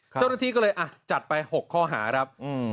เจ้าหน้าที่ก็เลยจัดไป๖ข้อหาครับ